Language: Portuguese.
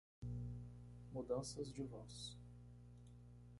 Mudanças de voz